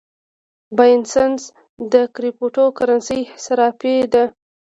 بایننس د کریپټو کرنسۍ صرافي ده